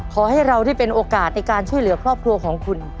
ขอให้เราได้เป็นโอกาสในการช่วยเหลือครอบครัวของคุณ